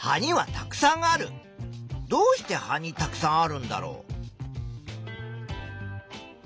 どうして葉にたくさんあるんだろう。